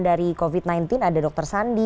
dari covid sembilan belas ada dokter sandi